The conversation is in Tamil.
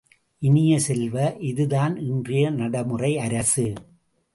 இனிய செல்வ, இதுதான் இன்றைய நடைமுறை அரசு.